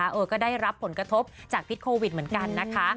เออก็ได้รับผลกระทบจากพิษโควิดเหมือนกันนะคะ